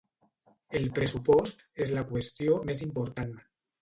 El pressupost és la qüestió més important.